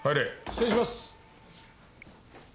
失礼します。